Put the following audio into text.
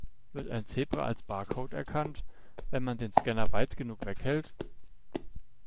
Wird ein Zebra als Barcode erkannt, wenn man den Scanner weit genug weghält?